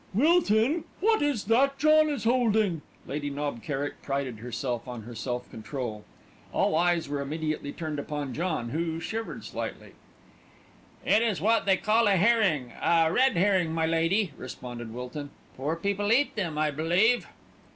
"Wilton, what is that John is holding?" Lady Knob Kerrick prided herself on her self control. All eyes were immediately turned upon John, who shivered slightly. "It is what they call a herring, a red herring, my lady," responded Wilton. "Poor people eat them, I believe."